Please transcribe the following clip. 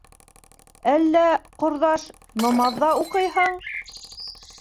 - Әллә, ҡорҙаш, намаҙ ҙа уҡыйһың?